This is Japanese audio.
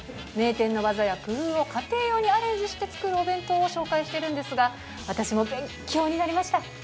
名店のワザや工夫を家庭用にアレンジして作るお弁当を紹介してるんですが私も勉強になりました。